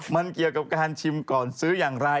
มันเกี่ยวกับการชิมก่อนซื้ออย่างไร